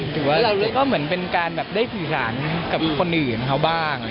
ถือว่าเราก็เหมือนเป็นการแบบได้สื่อสารกับคนอื่นเขาบ้าง